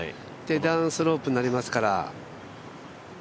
で、ダウンスロープになりますから。